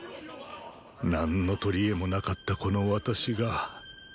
何のとりえもなかったこの私が。